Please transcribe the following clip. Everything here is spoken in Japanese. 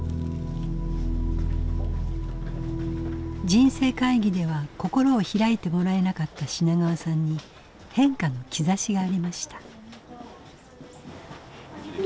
人生会議では心を開いてもらえなかった品川さんに変化の兆しがありました。